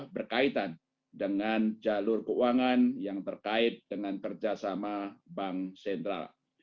berkaitan dengan jalur keuangan yang terkait dengan kerjasama bank sentral